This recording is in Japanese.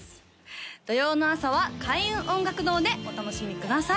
土曜の朝は開運音楽堂でお楽しみください